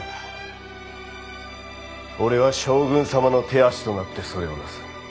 俺は将軍様の手足となってそれをなす。